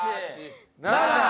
７